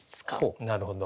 なるほど。